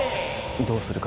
どうする？